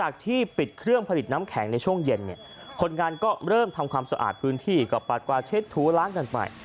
ก็ปลาดกวาดเช็ดถูกล้างกันไป